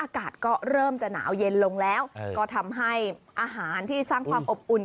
อากาศก็เริ่มจะหนาวเย็นลงแล้วก็ทำให้อาหารที่สร้างความอบอุ่น